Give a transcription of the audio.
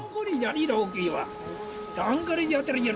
พูดกันอย่าว่าตัวอย่ามีตาธรรม